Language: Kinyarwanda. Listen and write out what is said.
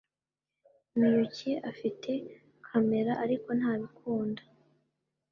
Miyuki afite kamera, ariko ntabikunda.